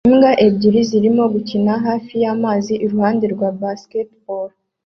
Imbwa ebyiri zirimo gukina hafi y'amazi iruhande rwa basketball